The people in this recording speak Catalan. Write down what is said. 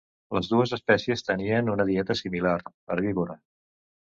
Les dues espècies tenien una dieta similar, herbívora.